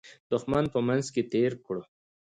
دښمن په منځ کې تېر کړو.